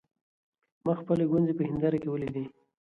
ما خپلې ګونځې په هېنداره کې وليدې.